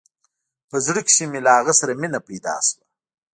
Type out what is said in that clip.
په زړه کښې مې له هغه سره مينه پيدا سوه.